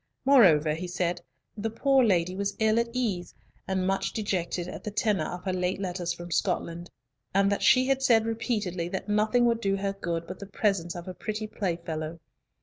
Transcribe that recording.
Moreover, he said the poor lady was ill at ease, and much dejected at the tenor of her late letters from Scotland, and that she had said repeatedly that nothing would do her good but the presence of her pretty playfellow.